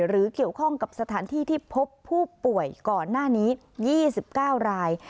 หรือเกี่ยวข้องกับสถานที่ที่พบผู้ป่วยก่อนหน้านี้๒๙ราย